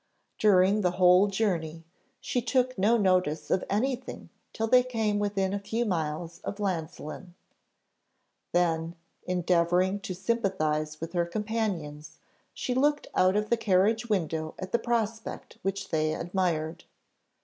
During the whole journey, she took no notice of any thing till they came within a few miles of Llansillen; then, endeavouring to sympathise with her companions, she looked out of the carriage window at the prospect which they admired.